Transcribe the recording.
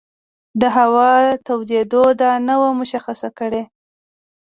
د هوا تودېدو دا نه وه مشخصه کړې.